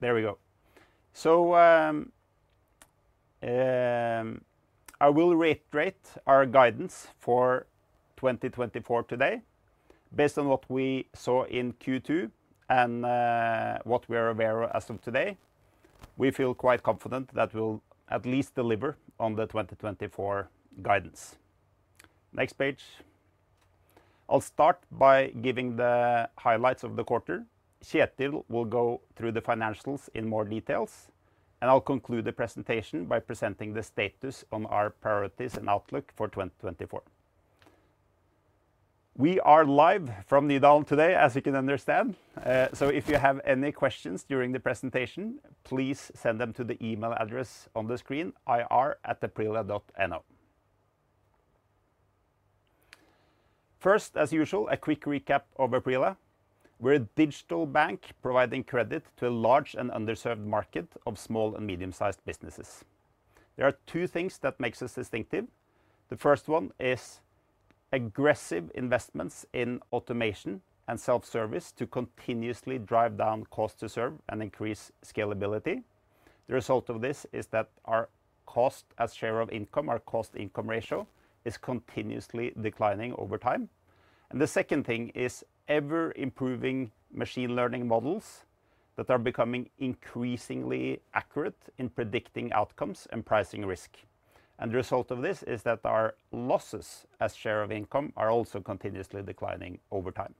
There we go. So, I will reiterate our guidance for 2024 today. Based on what we saw in Q2 and what we are aware as of today, we feel quite confident that we'll at least deliver on the 2024 guidance. Next page. I'll start by giving the highlights of the quarter. Kjetil will go through the financials in more details, and I'll conclude the presentation by presenting the status on our priorities and outlook for 2024. We are live from Nydalen today, as you can understand. So if you have any questions during the presentation, please send them to the email address on the screen, ir@aprila.no. First, as usual, a quick recap of Aprila. We're a digital bank providing credit to a large and underserved market of small and medium-sized businesses. There are two things that makes us distinctive. The first one is aggressive investments in automation and self-service to continuously drive down cost to serve and increase scalability. The result of this is that our cost as share of income, our cost income ratio, is continuously declining over time. And the second thing is ever-improving machine learning models that are becoming increasingly accurate in predicting outcomes and pricing risk. And the result of this is that our losses as share of income are also continuously declining over time.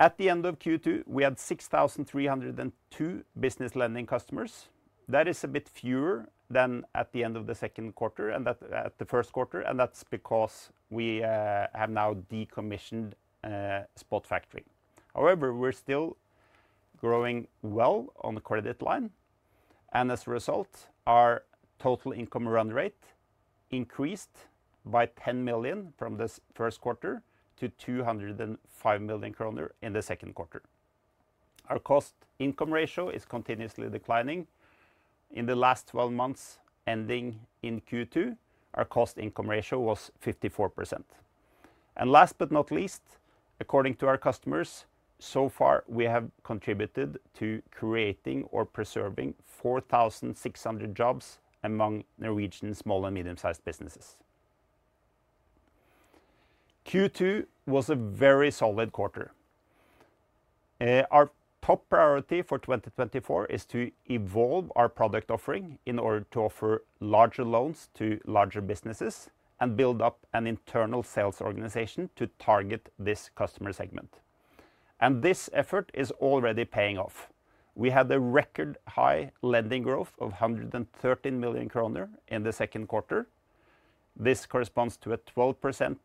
At the end of Q2, we had 6,302 business lending customers. That is a bit fewer than at the end of the second quarter, and that at the first quarter, and that's because we have now decommissioned Spot Factoring. However, we're still growing well on the credit line, and as a result, our total income run rate increased by 10 million from this first quarter to 205 million kroner in the second quarter. Our cost income ratio is continuously declining. In the last 12 months, ending in Q2, our cost income ratio was 54%. And last but not least, according to our customers, so far, we have contributed to creating or preserving 4,600 jobs among Norwegian small and medium-sized businesses. Q2 was a very solid quarter. Our top priority for 2024 is to evolve our product offering in order to offer larger loans to larger businesses and build up an internal sales organization to target this customer segment. And this effort is already paying off. We had a record high lending growth of 113 million kroner in the second quarter. This corresponds to a 12%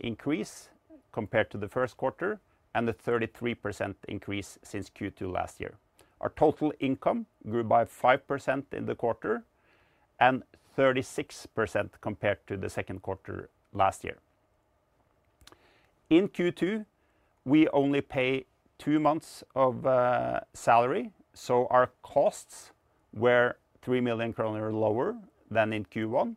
increase compared to the first quarter and a 33% increase since Q2 last year. Our total income grew by 5% in the quarter and 36% compared to the second quarter last year. In Q2, we only pay two months of salary, so our costs were 3 million kroner lower than in Q1,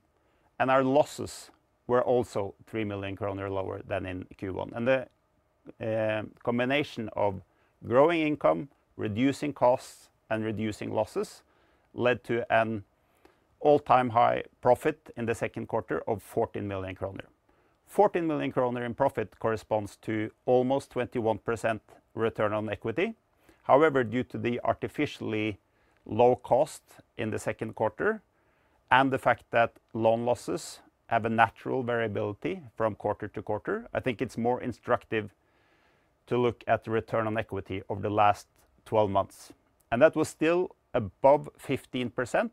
and our losses were also 3 million kroner lower than in Q1. And the combination of growing income, reducing costs, and reducing losses led to an all-time high profit in the second quarter of 14 million kroner. 14 million kroner in profit corresponds to almost 21% return on equity. However, due to the artificially low cost in the second quarter and the fact that loan losses have a natural variability from quarter-to-quarter, I think it's more instructive to look at the return on equity over the last 12 months. That was still above 15%,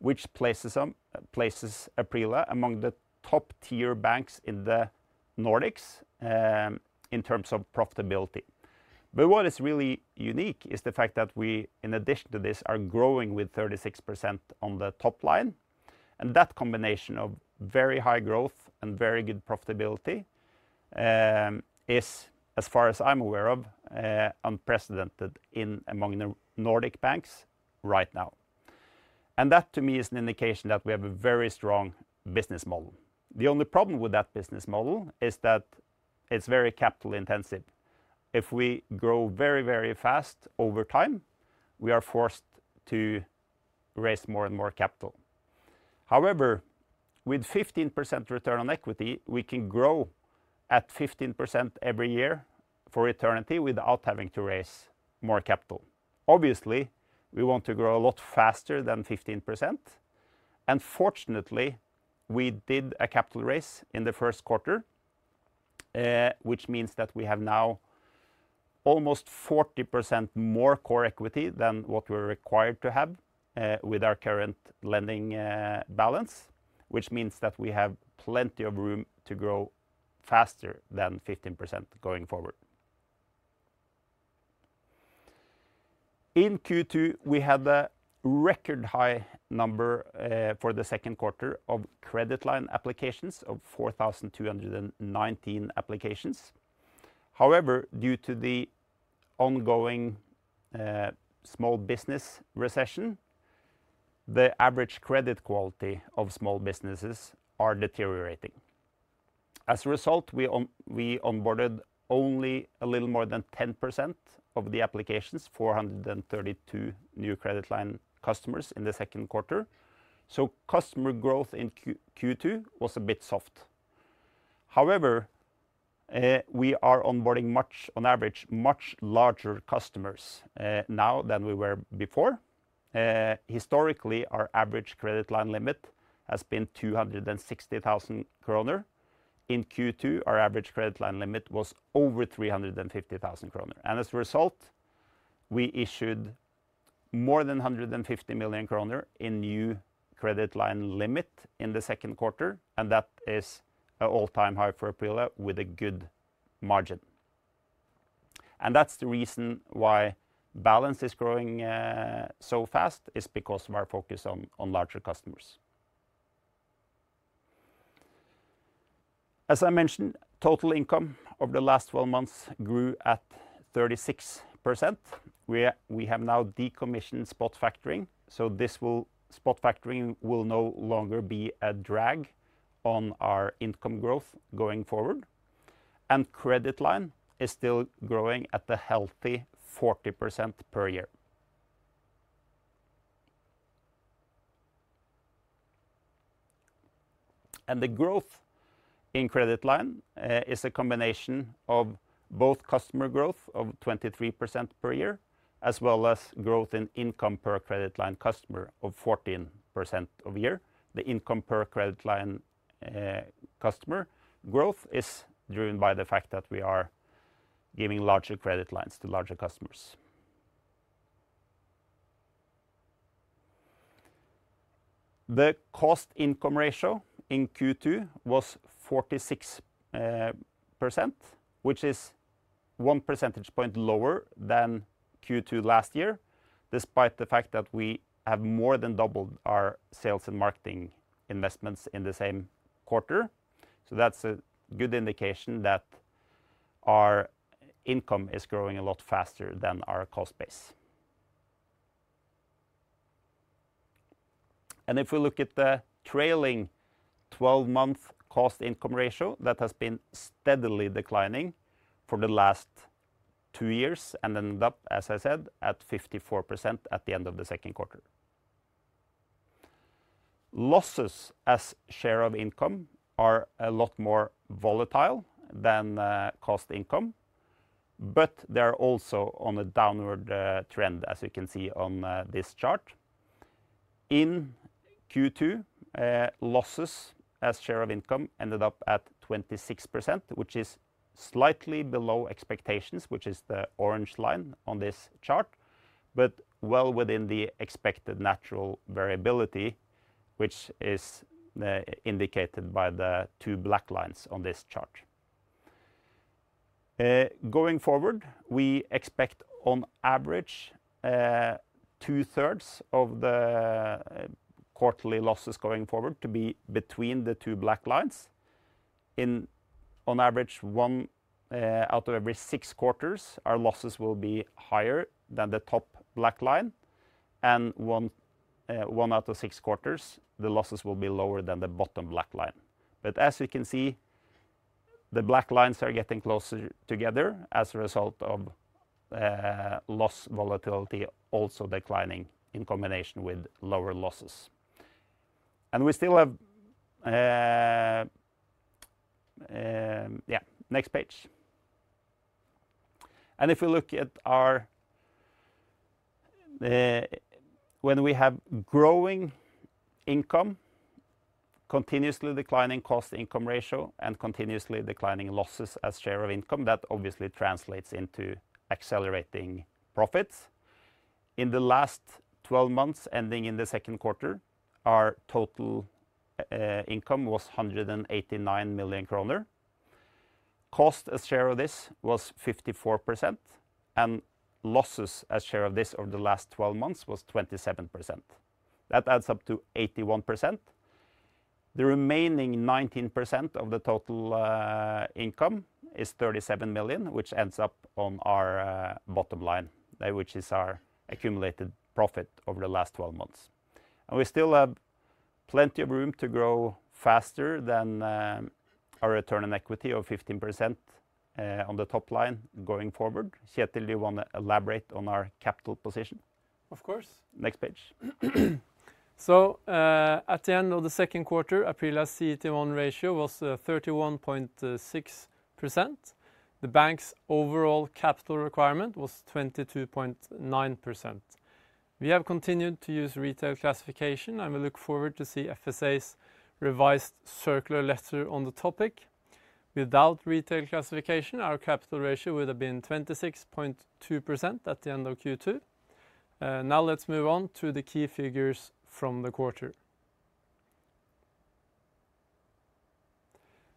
which places them, places Aprila among the top-tier banks in the Nordics, in terms of profitability. What is really unique is the fact that we, in addition to this, are growing with 36% on the top line, and that combination of very high growth and very good profitability, is, as far as I'm aware of, unprecedented in among the Nordic banks right now. That, to me, is an indication that we have a very strong business model. The only problem with that business model is that it's very capital intensive. If we grow very, very fast over time, we are forced to raise more and more capital. However, with 15% return on equity, we can grow at 15% every year for eternity without having to raise more capital. Obviously, we want to grow a lot faster than 15%, and fortunately, we did a capital raise in the first quarter, which means that we have now almost 40% more core equity than what we're required to have, with our current lending balance, which means that we have plenty of room to grow faster than 15% going forward. In Q2, we had a record high number for the second quarter of credit line applications of 4,219 applications. However, due to the ongoing small business recession, the average credit quality of small businesses are deteriorating. As a result, we onboarded only a little more than 10% of the applications, 432 new credit line customers in the second quarter, so customer growth in Q2 was a bit soft. However, we are onboarding, on average, much larger customers now than we were before. Historically, our average credit line limit has been 260,000 kroner. In Q2, our average credit line limit was over 350,000 kroner, and as a result, we issued more than 150 million kroner in new credit line limit in the second quarter, and that is an all-time high for Aprila with a good margin. And that's the reason why balance is growing so fast, is because of our focus on larger customers. As I mentioned, total income over the last 12 months grew at 36%. We have now decommissioned Spot Factoring, so Spot Factoring will no longer be a drag on our income growth going forward, and credit line is still growing at a healthy 40% per year. And the growth in credit line is a combination of both customer growth of 23% per year, as well as growth in income per credit line customer of 14% year-over-year. The income per credit line customer growth is driven by the fact that we are giving larger credit lines to larger customers. The cost income ratio in Q2 was 46%, which is one percentage point lower than Q2 last year, despite the fact that we have more than doubled our sales and marketing investments in the same quarter. So that's a good indication that our income is growing a lot faster than our cost base. And if we look at the trailing 12-month cost income ratio, that has been steadily declining for the last 2 years, and ended up, as I said, at 54% at the end of the second quarter. Losses as share of income are a lot more volatile than cost income, but they are also on a downward trend, as you can see on this chart. In Q2, losses as share of income ended up at 26%, which is slightly below expectations, which is the orange line on this chart, but well within the expected natural variability, which is indicated by the two black lines on this chart. Going forward, we expect, on average, two-thirds of the quarterly losses going forward to be between the two black lines. On average, one out of every six quarters, our losses will be higher than the top black line, and one out of six quarters, the losses will be lower than the bottom black line. But as you can see, the black lines are getting closer together as a result of loss volatility also declining in combination with lower losses. And we still have... Yeah, next page. And if you look at when we have growing income, continuously declining cost income ratio, and continuously declining losses as share of income, that obviously translates into accelerating profits. In the last 12 months, ending in the second quarter, our total income was 189 million kroner. Cost as share of this was 54%, and losses as share of this over the last 12 months was 27%. That adds up to 81%. The remaining 19% of the total income is 37 million, which ends up on our bottom line, which is our accumulated profit over the last 12 months. We still have plenty of room to grow faster than our return on equity of 15% on the top line going forward. Kjetil, you wanna elaborate on our capital position? Of course. Next page. So, at the end of the second quarter, Aprila's CET1 ratio was 31.6%. The bank's overall capital requirement was 22.9%. We have continued to use retail classification, and we look forward to see FSA's revised circular letter on the topic. Without retail classification, our capital ratio would have been 26.2% at the end of Q2. Now let's move on to the key figures from the quarter.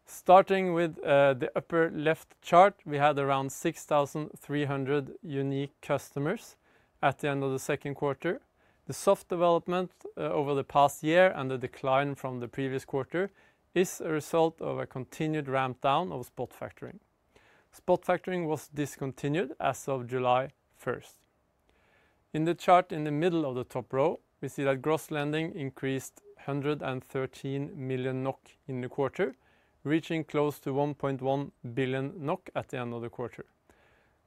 Starting with the upper left chart, we had around 6,300 unique customers at the end of the second quarter. The soft development over the past year and the decline from the previous quarter is a result of a continued ramp down of spot factoring... Spot Factoring was discontinued as of July 1st. In the chart in the middle of the top row, we see that gross lending increased 113 million NOK in the quarter, reaching close to 1.1 billion NOK at the end of the quarter.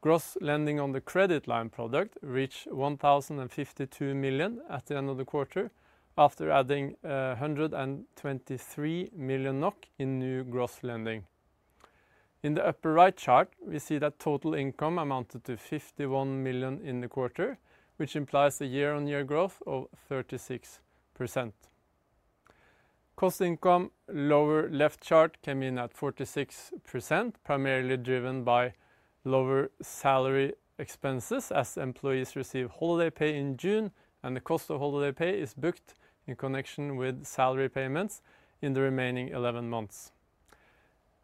Gross lending on the credit line product reached 1,052 million at the end of the quarter, after adding 123 million NOK in new gross lending. In the upper right chart, we see that total income amounted to 51 million in the quarter, which implies a year-on-year growth of 36%. Cost income, lower left chart, came in at 46%, primarily driven by lower salary expenses as employees receive holiday pay in June, and the cost of holiday pay is booked in connection with salary payments in the remaining 11 months.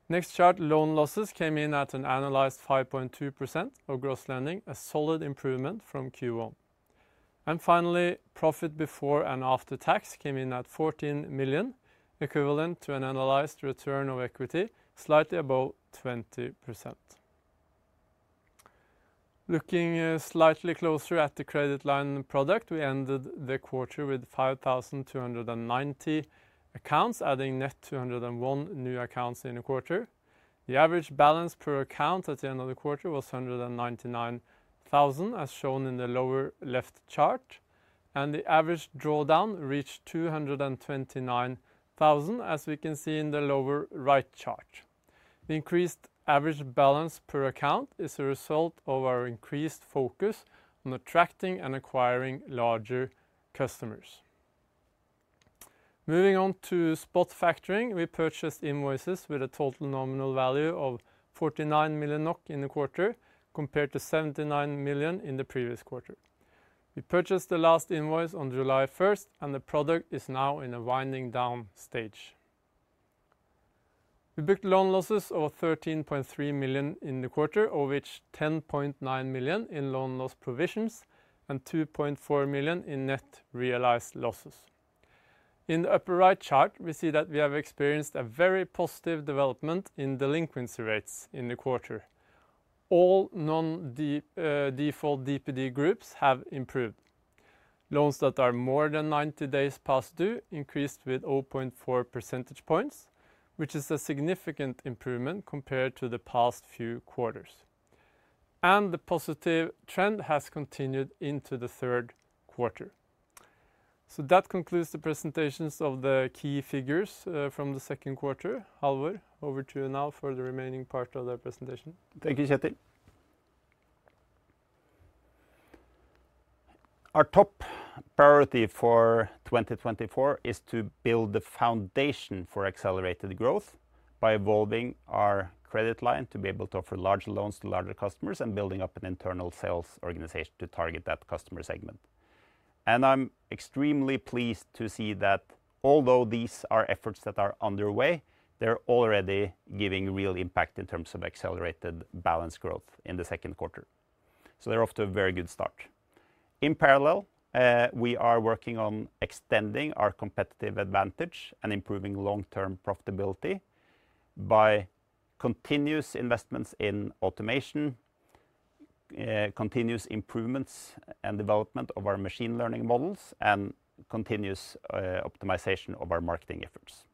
Next chart, loan losses came in at an annualized 5.2% of gross lending, a solid improvement from Q1. Finally, profit before and after tax came in at 14 million, equivalent to an annualized return on equity, slightly above 20%. Looking, slightly closer at the credit line product, we ended the quarter with 5,290 accounts, adding net 201 new accounts in the quarter. The average balance per account at the end of the quarter was 199,000, as shown in the lower left chart, and the average drawdown reached 229,000, as we can see in the lower right chart. The increased average balance per account is a result of our increased focus on attracting and acquiring larger customers. Moving on to Spot Factoring, we purchased invoices with a total nominal value of 49 million NOK in the quarter, compared to 79 million in the previous quarter. We purchased the last invoice on July 1, and the product is now in a winding down stage. We booked loan losses of 13.3 million in the quarter, of which 10.9 million in loan loss provisions and 2.4 million in net realized losses. In the upper right chart, we see that we have experienced a very positive development in delinquency rates in the quarter. All non-default DPD groups have improved. Loans that are more than 90 days past due increased with 0.4 percentage points, which is a significant improvement compared to the past few quarters, and the positive trend has continued into the third quarter. So that concludes the presentations of the key figures, from the second quarter. Halvor, over to you now for the remaining part of the presentation. Thank you, Kjetil. Our top priority for 2024 is to build the foundation for accelerated growth by evolving our credit line to be able to offer large loans to larger customers and building up an internal sales organization to target that customer segment. And I'm extremely pleased to see that although these are efforts that are underway, they're already giving real impact in terms of accelerated balance growth in the second quarter, so they're off to a very good start. In parallel, we are working on extending our competitive advantage and improving long-term profitability by continuous investments in automation, continuous improvements and development of our machine learning models, and continuous optimization of our marketing efforts.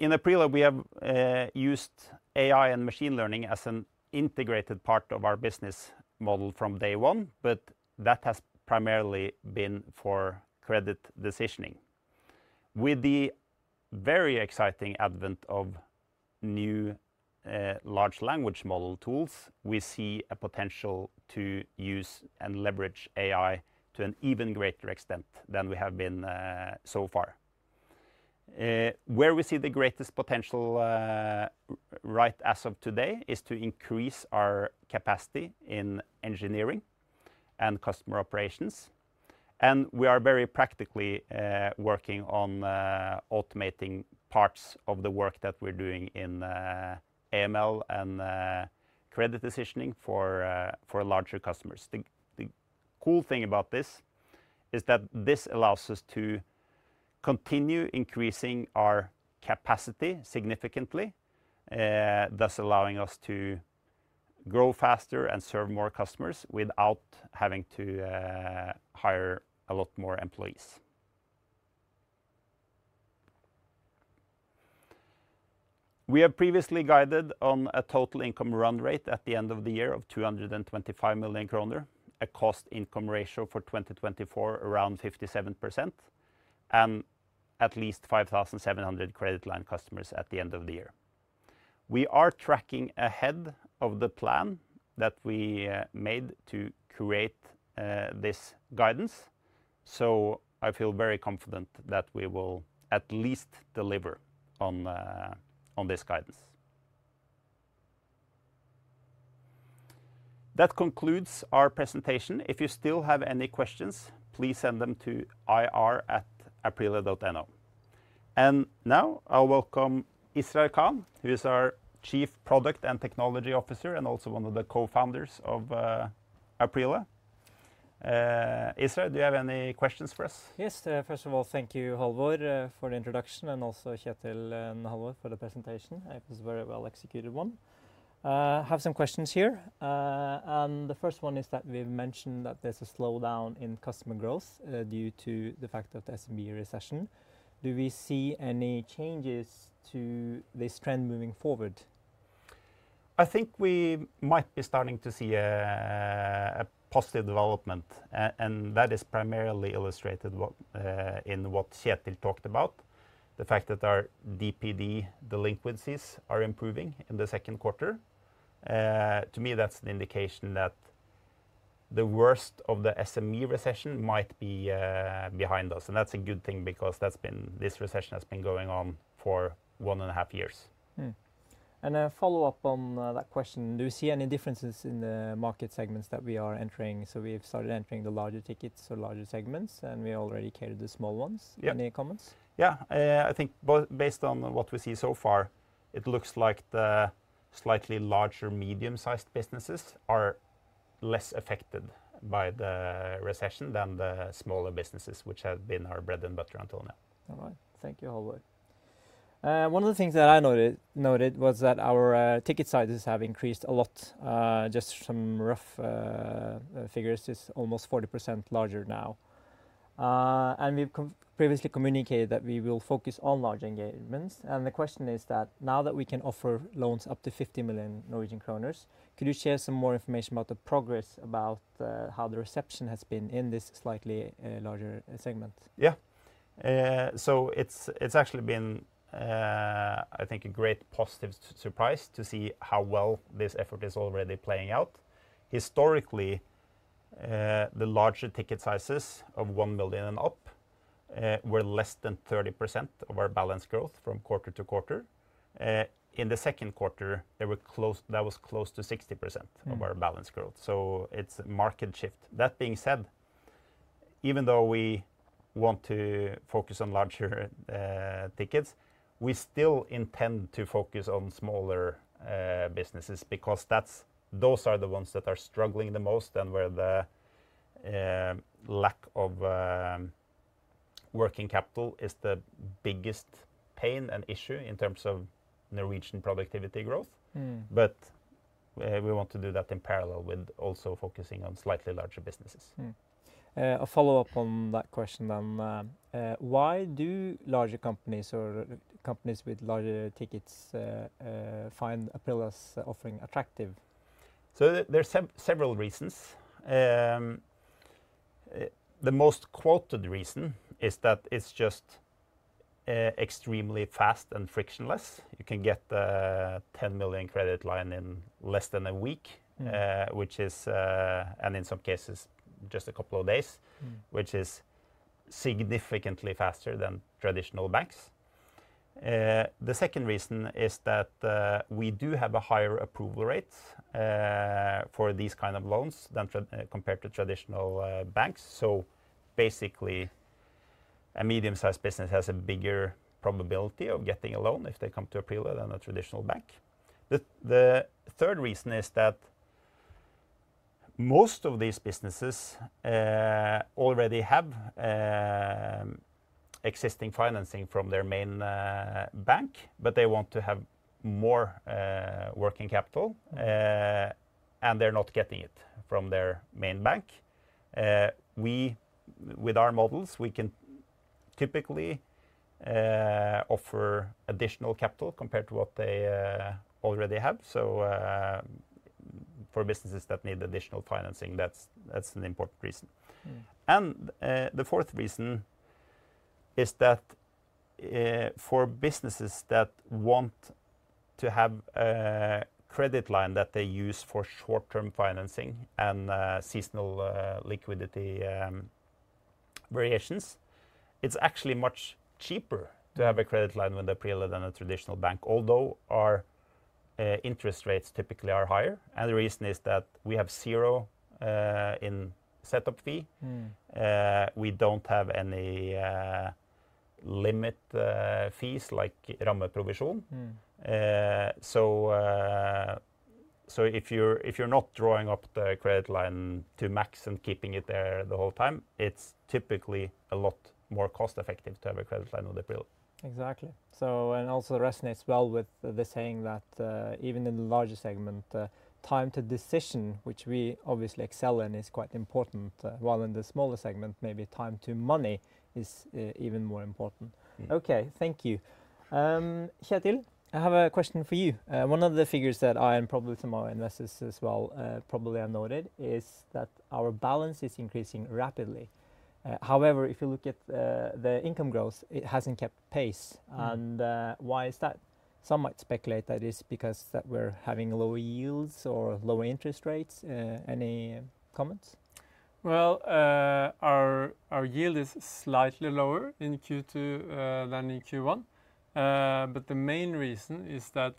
In April, we have used AI and machine learning as an integrated part of our business model from day one, but that has primarily been for credit decisioning. With the very exciting advent of new, large language model tools, we see a potential to use and leverage AI to an even greater extent than we have been, so far. Where we see the greatest potential, right as of today, is to increase our capacity in engineering and customer operations, and we are very practically, working on, automating parts of the work that we're doing in, AML and, credit decisioning for, for larger customers. The, the cool thing about this is that this allows us to continue increasing our capacity significantly, thus allowing us to grow faster and serve more customers without having to, hire a lot more employees. We have previously guided on a total income run rate at the end of the year of 225 million kroner, a cost income ratio for 2024, around 57%, and at least 5,700 credit line customers at the end of the year. We are tracking ahead of the plan that we made to create this guidance, so I feel very confident that we will at least deliver on this guidance. That concludes our presentation. If you still have any questions, please send them to ir@aprila.no. Now I'll welcome Israr Khan, who is our Chief Product and Technology Officer, and also one of the co-founders of Aprila. Israr, do you have any questions for us? Yes. First of all, thank you, Halvor, for the introduction, and also Kjetil and Halvor for the presentation. It was a very well-executed one. I have some questions here. The first one is that we've mentioned that there's a slowdown in customer growth, due to the fact of the SME recession. Do we see any changes to this trend moving forward? I think we might be starting to see a positive development, and that is primarily illustrated in what Kjetil talked about, the fact that our DPD delinquencies are improving in the second quarter. To me, that's an indication that the worst of the SME recession might be behind us, and that's a good thing because that's been, this recession has been going on for one and a half years. A follow-up on that question: Do you see any differences in the market segments that we are entering? So we've started entering the larger tickets or larger segments, and we already carried the small ones. Yeah. Any comments? Yeah. I think based on what we see so far, it looks like the slightly larger medium-sized businesses are less affected by the recession than the smaller businesses, which have been our bread and butter until now. All right. Thank you, Halvor. One of the things that I noted was that our ticket sizes have increased a lot. Just some rough figures, it's almost 40% larger now. And we've previously communicated that we will focus on large engagements, and the question is that now that we can offer loans up to 50 million Norwegian kroner, could you share some more information about the progress about how the reception has been in this slightly larger segment? Yeah. So it's actually been, I think, a great positive surprise to see how well this effort is already playing out. Historically, the larger ticket sizes of 1 million and up were less than 30% of our balance growth from quarter to quarter. In the second quarter, they were close, that was close to 60%.... of our balance growth, so it's a market shift. That being said, even though we want to focus on larger tickets, we still intend to focus on smaller businesses because those are the ones that are struggling the most and where the lack of working capital is the biggest pain and issue in terms of Norwegian productivity growth. Mm. But, we want to do that in parallel with also focusing on slightly larger businesses. A follow-up on that question then, why do larger companies or companies with larger tickets find Aprila's offering attractive? There are several reasons. The most quoted reason is that it's just extremely fast and frictionless. You can get a 10 million credit line in less than a week- Mm... which is, and in some cases, just a couple of days- Mm... which is significantly faster than traditional banks. The second reason is that we do have a higher approval rate for these kind of loans than compared to traditional banks. So basically, a medium-sized business has a bigger probability of getting a loan if they come to Aprila than a traditional bank. The third reason is that most of these businesses already have existing financing from their main bank, but they want to have more working capital, and they're not getting it from their main bank. We, with our models, we can typically offer additional capital compared to what they already have. So, for businesses that need additional financing, that's, that's an important reason. Mm. The fourth reason is that, for businesses that want to have a credit line that they use for short-term financing and, seasonal, liquidity, variations, it's actually much cheaper to have a credit line with Aprila than a traditional bank, although our interest rates typically are higher. And the reason is that we have zero in setup fee. Mm. We don't have any limit fees, like rammeprovisjon. Mm. So if you're, if you're not drawing up the credit line to max and keeping it there the whole time, it's typically a lot more cost-effective to have a credit line with Aprila. Exactly. So, and it also resonates well with the saying that, even in the larger segment, time to decision, which we obviously excel in, is quite important. While in the smaller segment, maybe time to money is, even more important. Mm. Okay, thank you. Kjetil, I have a question for you. One of the figures that I and probably some of our investors as well, probably have noted is that our balance is increasing rapidly. However, if you look at the income growth, it hasn't kept pace. Mm. Why is that? Some might speculate that it's because that we're having lower yields or lower interest rates. Any comments? Well, our yield is slightly lower in Q2 than in Q1. But the main reason is that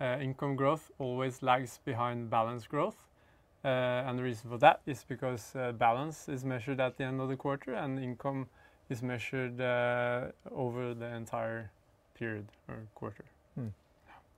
income growth always lags behind balance growth. And the reason for that is because balance is measured at the end of the quarter, and income is measured over the entire period or quarter.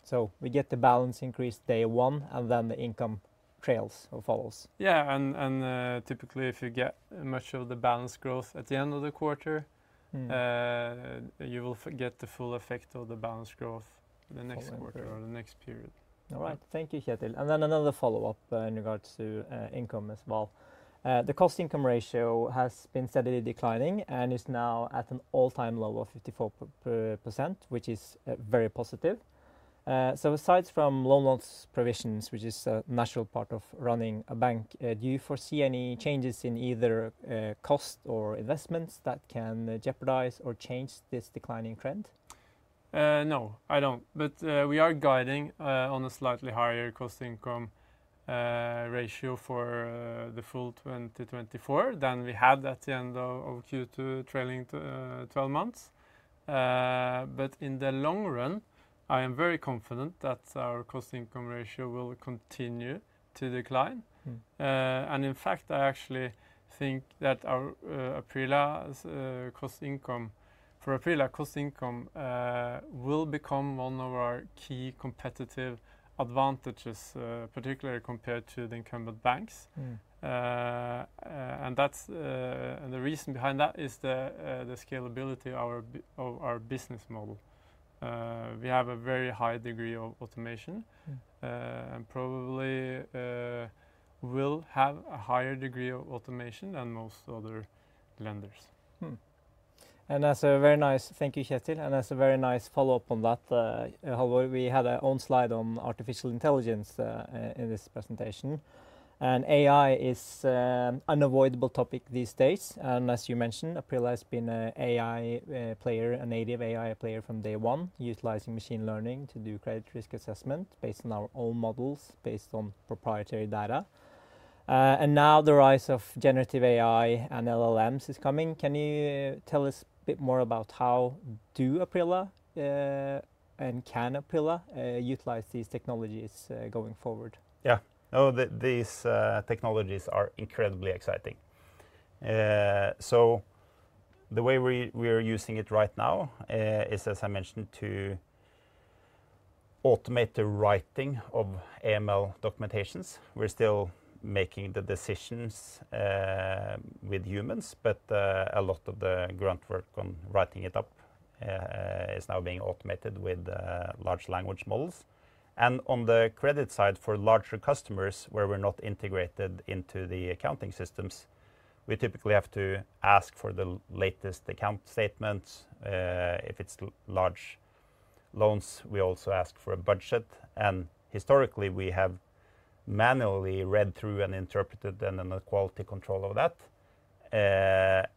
So we get the balance increase day one, and then the income trails or follows? Yeah, and typically if you get much of the balance growth at the end of the quarter- Mm... you will get the full effect of the balance growth- Following the next quarter or the next period. All right, thank you, Kjetil. And then another follow-up in regards to income as well. The cost income ratio has been steadily declining and is now at an all-time low of 54%, which is very positive. So aside from loan loss provisions, which is a natural part of running a bank, do you foresee any changes in either cost or investments that can jeopardize or change this declining trend? No, I don't. But we are guiding on a slightly higher cost income ratio for the full 2024 than we had at the end of Q2 trailing 12 months. But in the long run, I am very confident that our cost income ratio will continue to decline. Mm. In fact, I actually think that our Aprila's cost income, for Aprila cost income, will become one of our key competitive advantages, particularly compared to the incumbent banks. Mm. And that's. The reason behind that is the scalability of our business model. We have a very high degree of automation- Mm... and probably will have a higher degree of automation than most other lenders. Mm. And that's a very nice thank you, Kjetil, and that's a very nice follow-up on that. Halvor, we had our own slide on artificial intelligence in this presentation. And AI is an unavoidable topic these days, and as you mentioned, Aprila has been an AI player, a native AI player from day one, utilizing machine learning to do credit risk assessment based on our own models, based on proprietary data. And now the rise of generative AI and LLMs is coming. Can you tell us a bit more about how do Aprila and can Aprila utilize these technologies going forward? Yeah. Oh, these technologies are incredibly exciting. So the way we are using it right now is, as I mentioned, to automate the writing of AML documentation. We're still making the decisions with humans, but a lot of the grunt work on writing it up is now being automated with large language models. And on the credit side, for larger customers, where we're not integrated into the accounting systems, we typically have to ask for the latest account statements. If it's large loans, we also ask for a budget, and historically we have manually read through and interpreted, and then the quality control of that.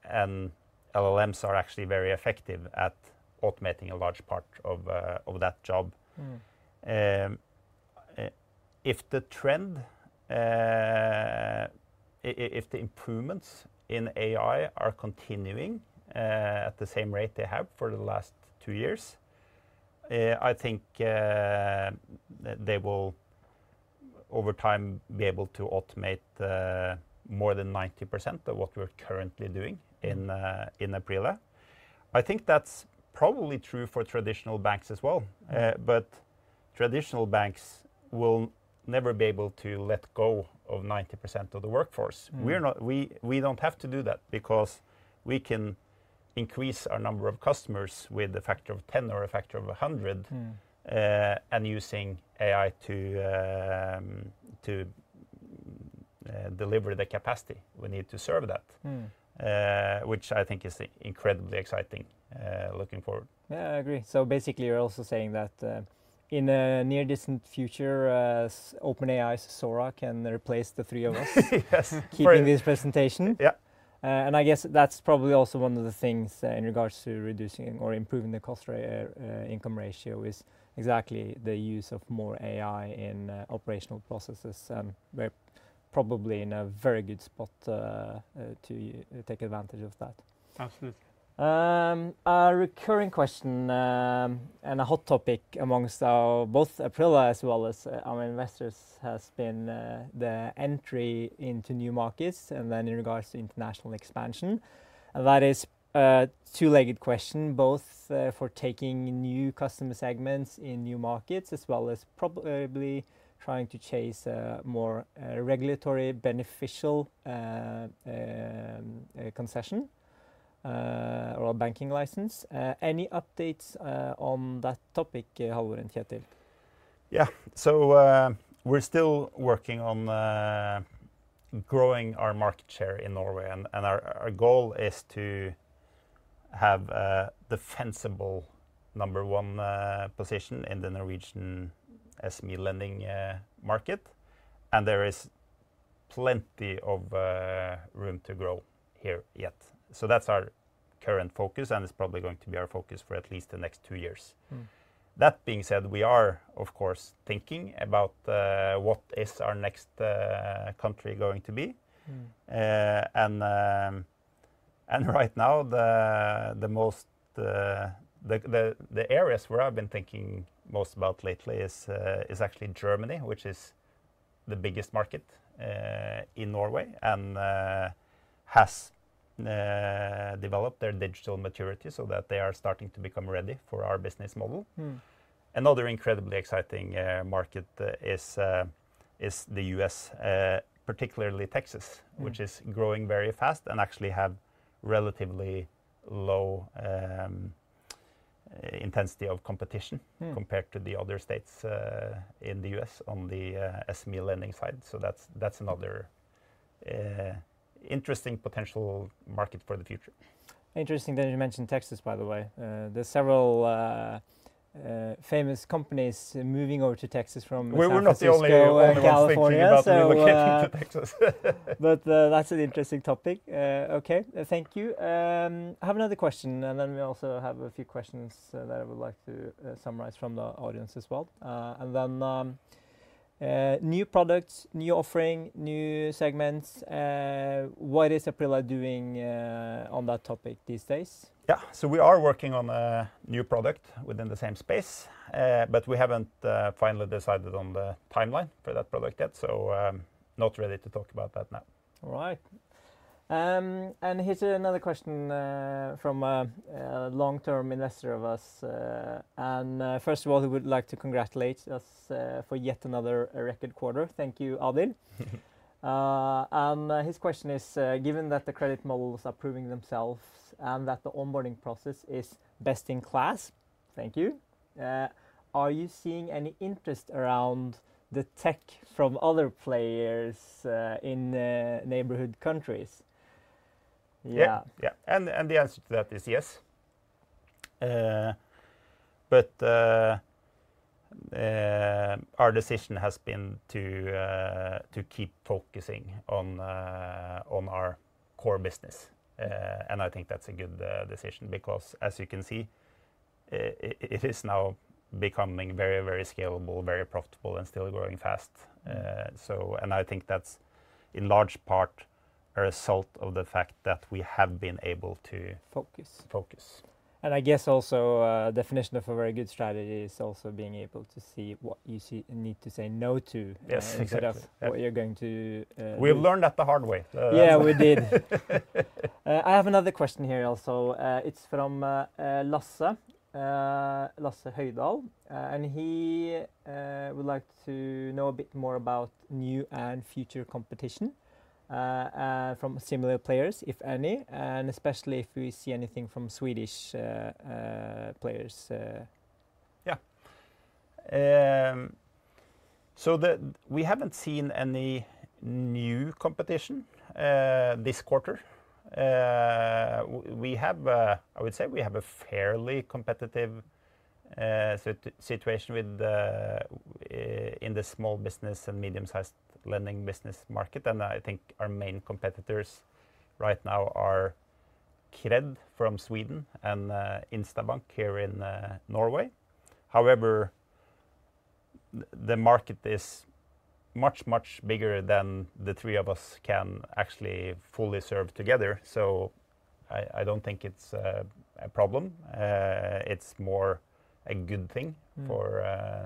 And LLMs are actually very effective at automating a large part of that job. Mm. If the improvements in AI are continuing at the same rate they have for the last two years, I think they will over time be able to automate more than 90% of what we're currently doing in Aprila. I think that's probably true for traditional banks as well. Mm. But traditional banks will never be able to let go of 90% of the workforce. Mm. We don't have to do that because we can increase our number of customers with a factor of 10 or a factor of 100- Mm... and using AI to deliver the capacity we need to serve that- Mm... which I think is incredibly exciting, looking forward. Yeah, I agree. So basically, you're also saying that, in the near distant future, OpenAI's Sora can replace the three of us - Yes. Right... keeping this presentation. Yeah. I guess that's probably also one of the things in regards to reducing or improving the cost income ratio, is exactly the use of more AI in operational processes. We're probably in a very good spot to take advantage of that. Absolutely. A recurring question, and a hot topic amongst both Aprila as well as our investors, has been the entry into new markets, and then in regards to international expansion. And that is a two-legged question, both for taking new customer segments in new markets, as well as probably trying to chase a more regulatory beneficial concession or a banking license. Any updates on that topic, Halvor and Kjetil? Yeah. So, we're still working on growing our market share in Norway, and our goal is to have a defensible number one position in the Norwegian SME lending market. And there is plenty of room to grow here yet. So that's our current focus, and it's probably going to be our focus for at least the next two years. Mm. That being said, we are, of course, thinking about what is our next country going to be. Mm. And right now, the areas where I've been thinking most about lately is actually Germany, which is the biggest market in Norway, and has developed their digital maturity so that they are starting to become ready for our business model. Mm. Another incredibly exciting market is the US, particularly Texas- Mm... which is growing very fast and actually have relatively low intensity of competition- Mm... compared to the other states in the US on the SME lending side. So that's another interesting potential market for the future. Interesting that you mention Texas, by the way. There's several famous companies moving over to Texas from San Francisco. We're not the only one- and California... thinking about relocating to Texas. That's an interesting topic. Okay, thank you. I have another question, and then we also have a few questions that I would like to summarize from the audience as well. And then new products, new offering, new segments, what is Aprila doing on that topic these days? Yeah, so we are working on a new product within the same space, but we haven't finally decided on the timeline for that product yet, so not ready to talk about that now. All right. And here's another question from a long-term investor of us. And first of all, he would like to congratulate us for yet another record quarter. Thank you, Alvin. And his question is, "Given that the credit models are proving themselves and that the onboarding process is best-in-class," thank you, "are you seeing any interest around the tech from other players in the neighborhood countries?" Yeah. Yeah, yeah, and the answer to that is yes. But our decision has been to keep focusing on our core business, and I think that's a good decision because, as you can see, it is now becoming very, very scalable, very profitable, and still growing fast. And I think that's in large part a result of the fact that we have been able to- Focus... focus. I guess also, definition of a very good strategy is also being able to see what you see, need to say no to... Yes, exactly... instead of what you're going to do. We've learned that the hard way, Yeah, we did. I have another question here also. It's from Lasse Hoidal, and he would like to know a bit more about new and future competition from similar players, if any, and especially if we see anything from Swedish players. Yeah. So, we haven't seen any new competition this quarter. We have... I would say we have a fairly competitive situation in the small business and medium-sized lending business market, and I think our main competitors right now are Qred from Sweden and Instabank here in Norway. However, the market is much, much bigger than the three of us can actually fully serve together, so I don't think it's a problem. It's more a good thing- Mm... for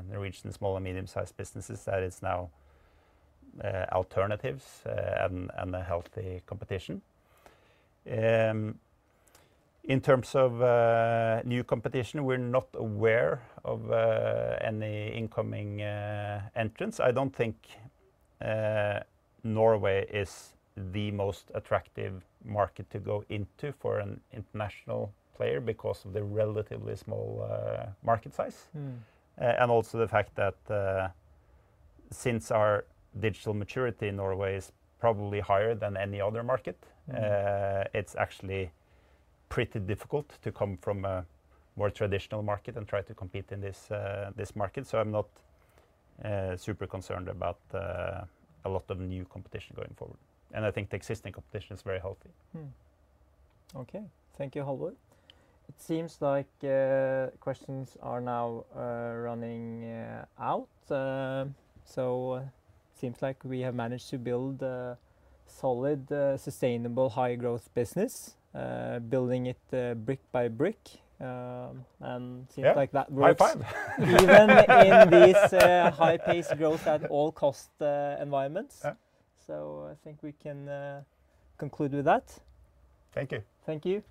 Norwegian small- and medium-sized businesses, that it's now alternatives, and, and a healthy competition. In terms of new competition, we're not aware of any incoming entrants. I don't think Norway is the most attractive market to go into for an international player because of the relatively small market size. Mm. And also the fact that, since our digital maturity in Norway is probably higher than any other market- Mm... it's actually pretty difficult to come from a more traditional market and try to compete in this, this market. So I'm not super concerned about a lot of new competition going forward, and I think the existing competition is very healthy. Mm-hmm. Okay, thank you, Halvor. It seems like questions are now running out. So seems like we have managed to build a solid, sustainable, high-growth business, building it brick by brick. And- Yeah... seems like that works- High five.... even in these high-paced growth at all cost environments. Yeah. I think we can conclude with that. Thank you. Thank you.